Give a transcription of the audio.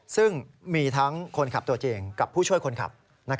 ซึ่งมีทั้งคนขับตัวจริงกับผู้ช่วยคนขับ